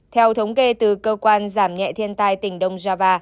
theo thống kê từ cơ quan giảm nhẹ thiên tai tỉnh đông java